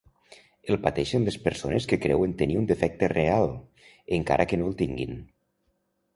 El pateixen les persones que creuen tenir un defecte real, encara que no el tinguin.